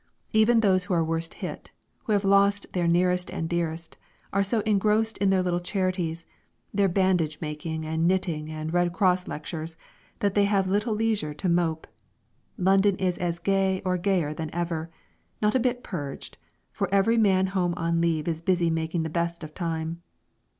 Even those who are worst hit, who have lost their nearest and dearest, are so engrossed in their little charities, their bandage making and knitting and Red Cross lectures, that they have little leisure to mope. London is as gay or gayer than ever, not a bit purged, for every man home on leave is busy making the best of time.